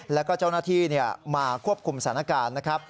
แล้วก็เจ้าหน้าที่มาควบคุมสถานการณ์นะครับ